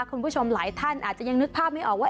คุณผู้ชมหลายท่านอาจจะยังนึกภาพไม่ออกว่า